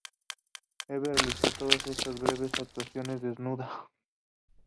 Eve realizó todas estas breves actuaciones desnuda.